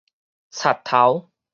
賊偷